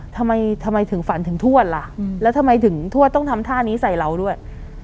ทำไมทำไมถึงฝันถึงทวดล่ะแล้วทำไมถึงทวดต้องทำท่านี้ใส่เราด้วย